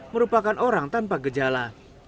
merupakan orang tanpa gejala